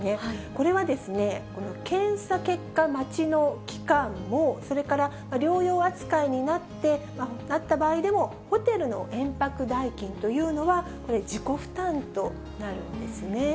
これはですね、この検査結果待ちの期間も、それから療養扱いになって、なった場合も、ホテルの延泊代金というのは、これ、自己負担となるんですね。